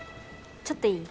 ちょっといい？